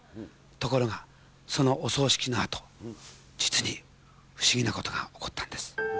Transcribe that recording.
ところが、そのお葬式のあと、実に不思議なことが起こったんです。